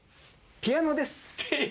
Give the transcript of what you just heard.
ピアノです